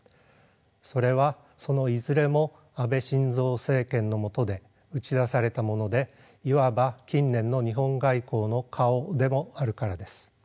それはそのいずれも安倍晋三政権の下で打ち出されたものでいわば近年の日本外交の顔でもあるからです。